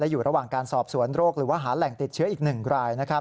อยู่ระหว่างการสอบสวนโรคหรือว่าหาแหล่งติดเชื้ออีก๑ราย